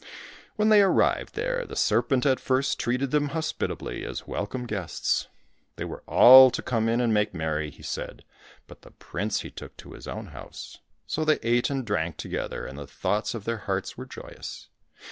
When they arrived there, the serpent at first treated them hospitably as welcome guests. They were all to come in and make merry, he said, but the prince he took to his own house. So they ate and drank together, and the thoughts of their hearts were joyous.